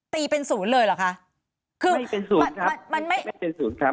ตีเป็นศูนย์เลยเหรอคะไม่เป็นศูนย์ครับไม่เป็นศูนย์ครับ